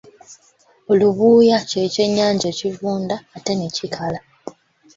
Olubuuya kye ky’ennyanja ekivunda ate ne kikala.